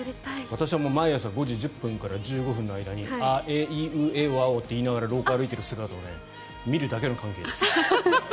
私は毎朝５時１０分から１５分の間にあえいうえおあおと言いながら廊下を歩いている姿を見るだけの関係です。